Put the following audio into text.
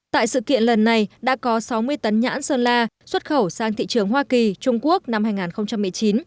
tại sự kiện lần này đã có sáu mươi tấn nhãn sơn la xuất khẩu sang thị trường hoa kỳ trung quốc năm hai nghìn một mươi chín